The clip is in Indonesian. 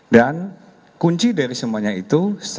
dan kunci dari semuanya itu